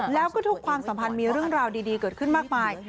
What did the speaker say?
แล้วก็ทุกความสัมพันธ์มีเรื่องราวดีเกิดขึ้นมากมาย